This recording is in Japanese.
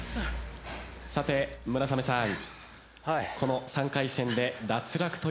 さて村雨さん。